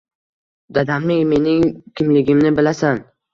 Dadamning mening kimligimni bilasan.